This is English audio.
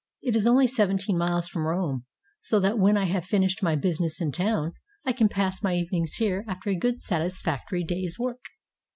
It is only seventeen miles from Rome; so that when I have finished my business in town, I can pass my evenings here after a good satisfac tory day's work.